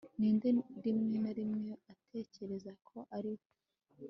Ninde rimwe na rimwe atekereza ko ari we